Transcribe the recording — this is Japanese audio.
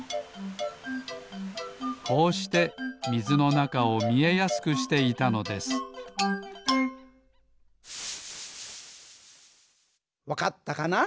こうしてみずのなかをみえやすくしていたのですわかったかな？